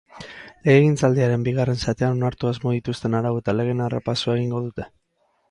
Legegintzaldiaren bigarren zatian onartu asmo dituzten arau eta legeen errepasoa egingo dute.